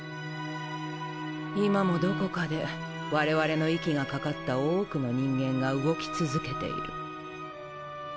今もどこかで我々の息がかかった多くの人間が動き続けている。